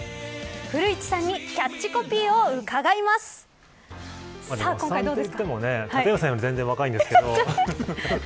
古市さんにキャッチコピーを伺います。